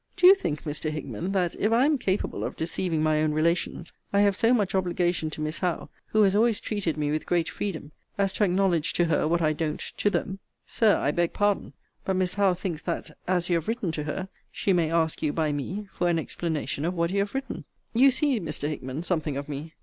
Do you think, Mr. Hickman, that, if I am capable of deceiving my own relations, I have so much obligation to Miss Howe, who has always treated me with great freedom, as to acknowledge to her what I don't to them? Sir, I beg pardon: but Miss Howe thinks that, as you have written to her, she may ask you, by me, for an explanation of what you have written. You see, Mr. Hickman, something of me.